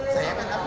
saya kan aku